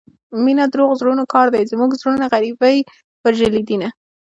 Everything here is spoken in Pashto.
مينه دروغو زړونو كار دى زموږه زړونه غريبۍ وژلي دينه